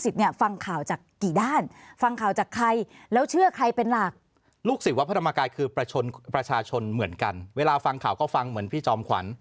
ทุกคนเหมือนกันเวลาฟังข่าวก็ฟังเหมือนพี่จอมขวัญ